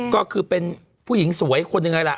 ก็คือเป็นผู้หญิงสวยคนหนึ่งเลยล่ะ